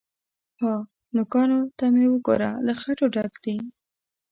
_ها! نوکانو ته مې وګوره، له خټو ډک دي.